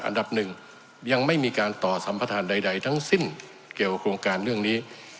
อันดับหนึ่งยังไม่มีการต่อสัมประธานใดทั้งสิ้นเกี่ยวกับโครงการเรื่องนี้